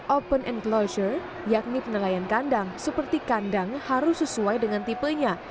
open enclosure yakni penilaian kandang seperti kandang harus sesuai dengan tipenya